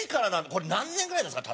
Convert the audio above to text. これ何年ぐらいですか？